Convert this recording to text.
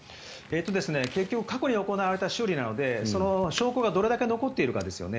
結局過去に行われた修理なのでその証拠がどれだけ残っているかですよね。